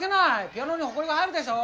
ピアノにほこりが入るでしょ！